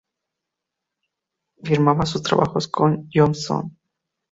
Firmaba sus trabajos C. Johnston.